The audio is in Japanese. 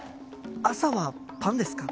朝はパンですか？